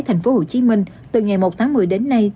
thành phố hồ chí minh từ ngày một tháng một mươi đến nay